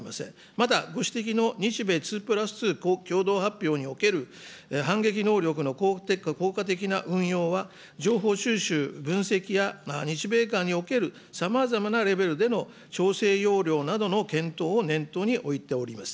また、ご指摘の日米２＋２共同発表における反撃能力の効果的な運用は、情報収集、分析や日米間におけるさまざまなレベルでの調整要領などの検討を念頭に置いております。